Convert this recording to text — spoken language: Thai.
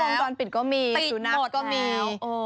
กล้องวงจรปิดก็มีติดหมดแล้ว